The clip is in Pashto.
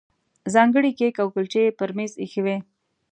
ځانګړي کیک او کولچې یې پر مېز ایښي وو.